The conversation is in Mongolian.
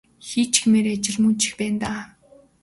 Хийчихмээр ажил мөн ч их байна даа.